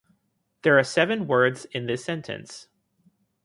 There are seven words in this sentence.